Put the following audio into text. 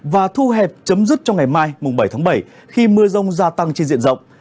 và thu hẹp chấm dứt trong ngày mai bảy tháng bảy khi mưa rông gia tăng trên diện rộng